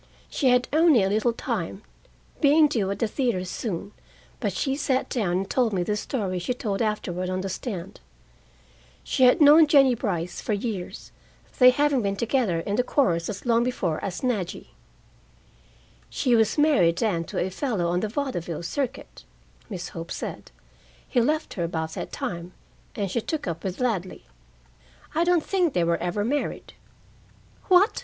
She had only a little time, being due at the theater soon, but she sat down and told me the story she told afterward on the stand: She had known Jennie Brice for years, they having been together in the chorus as long before as Nadjy. "She was married then to a fellow on the vaudeville circuit," Miss Hope said. "He left her about that time, and she took up with Ladley. I don't think they were ever married." "What!"